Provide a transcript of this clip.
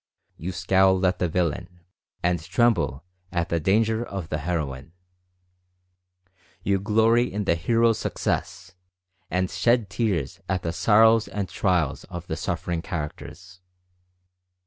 You scowl at the villain, and tremble at the dan ger of the heroine. You glory in the hero's success, and shed tears at the sorrows and trials of the suffer ing characters.